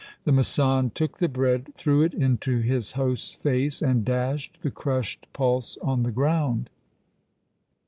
The masand took the bread, threw it into his host's face, and dashed the crushed pulse on the ground.